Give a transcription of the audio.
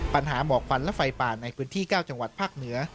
ปัญหาหมอกควันและไฟป่าในพื้นที่๙จังหวัดภาคเหนือ